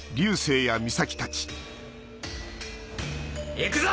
行くぞ！